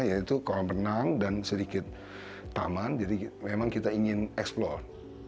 yaitu kolam renang dan sedikit taman jadi memang kita ingin eksplor